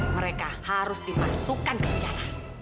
mereka harus dimasukkan ke jalan